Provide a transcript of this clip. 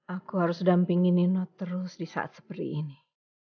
aku harus dampingi nino terus di saat seperti ini